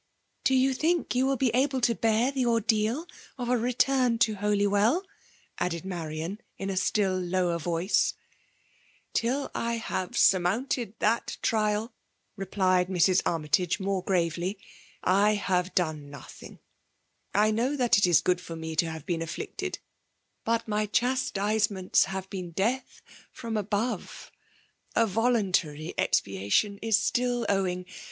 ''Do you think you will be able to beer tte titdaal of a return to Holywdl?*' added Mik» riaB> in a stiQ lower voice. ^'TSl I have snrmoiHited thai trial'' vepfied Mrs. ArmytagOi more grafely, *' I have doBO notldng ! I know that it is good fer me to haire been afflicted; bat ny etetifleiDeirta have been death from above ; a eeliiiiMry ex faatiott is still owing.